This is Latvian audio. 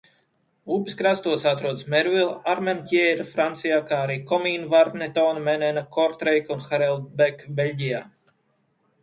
Upes krastos atrodas Mervila, Armantjēra Francijā, kā arī Komīnvarnetona, Menena, Kortreika un Harelbeke Beļģijā.